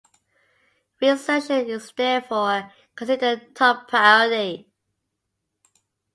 Reinsertion is therefore considered top priority.